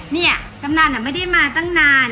เนี่ยกำลังไม่ได้มาตั้งนาน